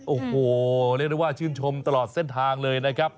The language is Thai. โอ้โหเรียกได้ว่าชื่นชมตลอดเส้นทางเลยนะครับ